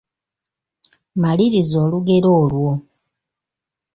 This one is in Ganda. Maliriza olugero olwo.